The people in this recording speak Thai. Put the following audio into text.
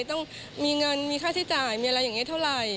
ต้องมีเงินมีค่าใช้จ่ายมีอะไรอย่างนี้เท่าไหร่